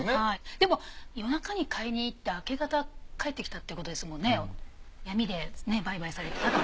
でも夜中に買いにいって明け方帰ってきたってことですもんね。